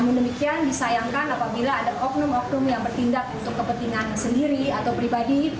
namun demikian disayangkan apabila ada oknum oknum yang bertindak untuk kepentingan sendiri atau pribadi